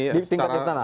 di tingkat internal